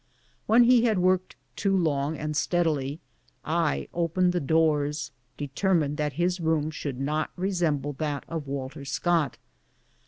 When he had worked too long and steadily I opened the doors, determined that his room should not resem ble that of Walter Scott.